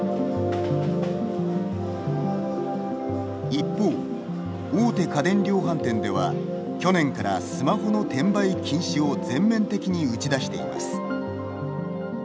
一方大手家電量販店では去年からスマホの転売禁止を全面的に打ち出しています。